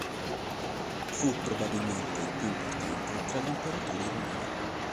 Fu probabilmente il più importante tra gli imperatori romani.